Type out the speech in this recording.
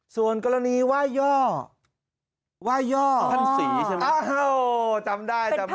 ส่วนกรณีไหว้ย่อไหว้ย่อท่านศรีใช่ไหมอ้าโหจำได้จำได้